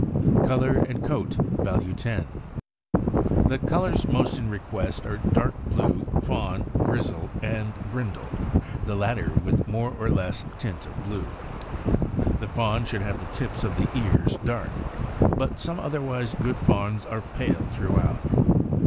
Color and coat (value 10). — The colors most in request are dark blue, fawn, grizzle, and brindle, the latter with more or less tint of blue. The fawn should have the tips of the ears dark, but some otherwise good fawns are pale throughout.